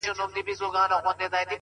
پاچا که د جلاد پر وړاندي، داسي خاموش وو،